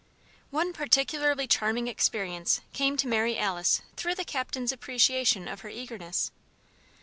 One particularly charming experience came to Mary Alice through the Captain's appreciation of her eagerness.